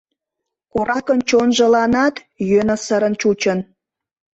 Коракын чонжыланат йӧнысырын чучын.